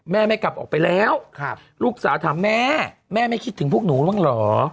แม่ไม่กลับออกไปแล้วลูกสาวถามแม่แม่ไม่คิดถึงพวกหนูบ้างเหรอ